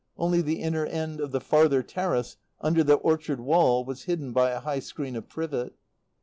Only the inner end of the farther terrace, under the orchard wall, was hidden by a high screen of privet.